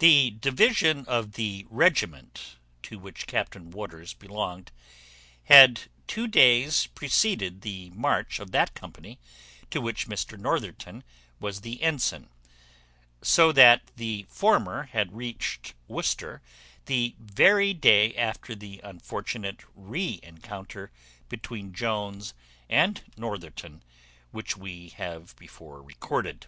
The division of the regiment to which Captain Waters belonged had two days preceded the march of that company to which Mr Northerton was the ensign; so that the former had reached Worcester the very day after the unfortunate re encounter between Jones and Northerton which we have before recorded.